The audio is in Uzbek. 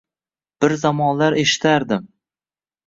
Bir zamonlar eshitardim